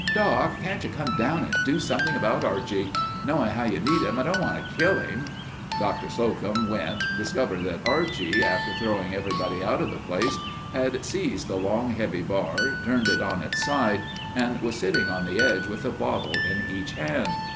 "Doc, can't you come down and do something about Archie? Knowing how you need him, I don't want to kill him...." Doctor Slocum went, discovered that Archie, after throwing everybody out of the place, had seized the long heavy bar, turned it on its side and was sitting on the edge with a bottle in each hand.